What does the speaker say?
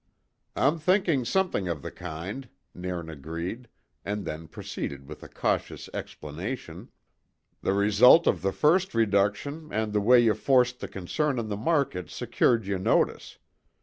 "I'm thinking something of the kind," Nairn agreed, and then proceeded with a cautious explanation: "The result of the first reduction and the way ye forced the concern on the market secured ye notice.